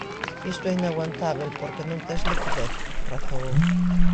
"Isto é inaguantábel porque non tes liquidez", razoou.